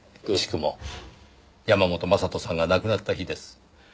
くしくも山本将人さんが亡くなった日です。